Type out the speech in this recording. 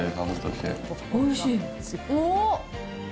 おいしい。